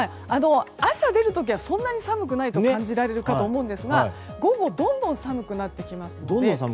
朝出る時はそんなに寒くないと感じられるかと思いますが午後、どんどん寒くなるので。